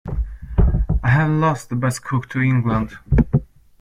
I've lost the best cook to England.